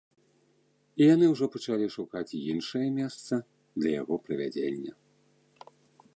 І яны ўжо пачалі шукаць іншае месца для яго правядзення.